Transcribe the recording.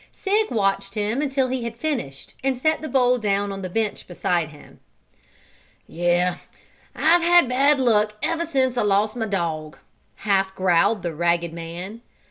Sig watched him until he had finished and set the bowl down on the bench beside him. "Yes, I've had bad luck ever since I lost my dog," half growled the ragged man.